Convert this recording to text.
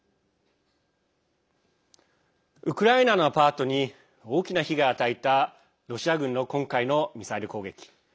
ウクライナのアパートに大きな被害を与えたロシア軍の今回のミサイル攻撃。